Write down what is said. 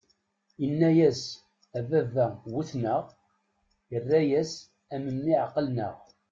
Inna-yas: "A baba, wwten-aɣ". Irra-yas: "A mmi, εeqlen-aɣ".